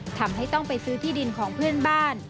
ทำให้ต้องไปซื้อที่ดินของเพื่อนบ้าน